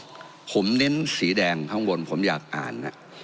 ผมเน้นสีแดงข้างบนผมอยากอ่าน